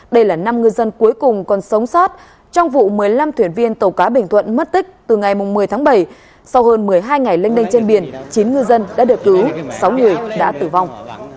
đây là năm ngư dân cuối cùng còn sống sót trong vụ một mươi năm thuyền viên tàu cá bình thuận mất tích từ ngày một mươi tháng bảy